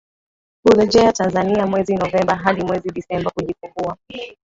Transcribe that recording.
hurejea Tanzania mwezi Novemba hadi mwezi Desemba kujifungua